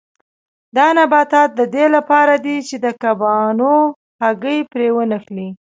دا نباتات د دې لپاره دي چې د کبانو هګۍ پرې ونښلي.